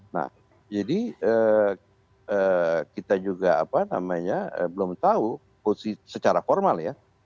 nah jadi kita juga belum tahu secara formal